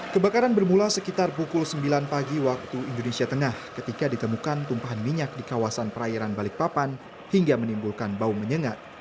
kebakaran bermula sekitar pukul sembilan pagi waktu indonesia tengah ketika ditemukan tumpahan minyak di kawasan perairan balikpapan hingga menimbulkan bau menyengat